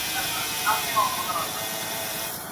«تر نارینه کمه» نه ده